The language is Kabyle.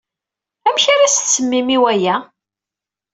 Amek ara as-tsemmim i waya?